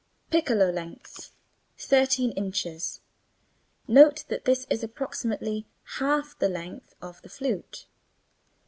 PICCOLO. Length, 13 in. (Note that this is approximately half the length of the flute.)